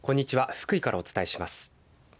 福井からお伝えします。